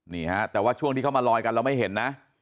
นี่ฮะแต่ว่าช่วงที่เขามาลอยกันเราไม่เห็นนะ